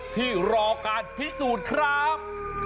ที่รอการพิสูจน์ครับ